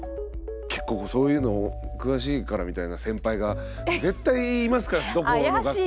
結構そういうの詳しいからみたいな先輩が絶対いますからどこの学校にもね。怪しい。